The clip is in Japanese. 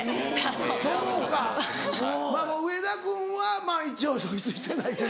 そうかまぁ上田君は一応露出してないけど。